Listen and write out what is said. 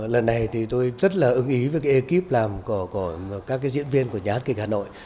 lần này thì tôi rất là ưng ý với cái ekip làm của các cái diễn viên của nhà hát kịch hà nội